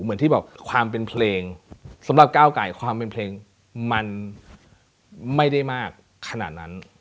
เหมือนที่บอกความเป็นเพลงสำหรับก้าวไก่ความเป็นเพลงมันไม่ได้มากขนาดนั้น